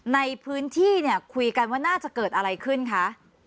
ในพื้นที่เนี่ยคุยกันว่าน่าจะเกิดอะไรขึ้นคะ